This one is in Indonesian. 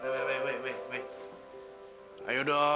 berikan sepetanya ke belakangkota ya